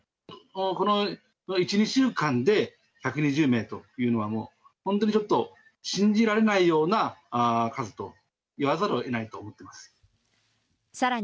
この１、２週間で１２０名というのは、もう本当にちょっと、信じられないような数と言わざるをえないと思っています。